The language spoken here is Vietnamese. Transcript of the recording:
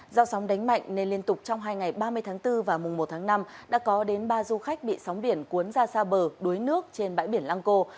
do sóng đánh mạnh nên liên tục trong hai ngày ba mươi tháng bốn và mùng một tháng năm đã có đến ba du khách bị sóng biển cuốn ra xa bờ đuối nước trên bãi biển lăng cô